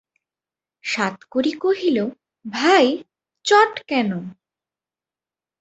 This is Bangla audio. সাতকড়ি কহিল, ভাই, চট কেন?